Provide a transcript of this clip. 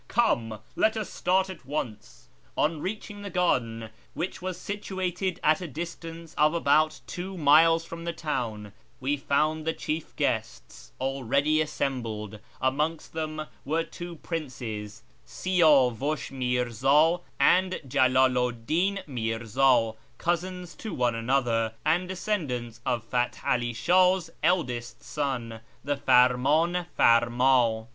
Come ! Let us start at \ once." On reaching the garden, which was situated at a distance of about two miles from the town, we found the chief guests already assembled. Amongst them were two princes, Siyavush iJMirza and Jalalu 'd Din Mirza, cousins to one another, and descendants of Fath 'Ali Shah's eldest son, the Farmdn farmd.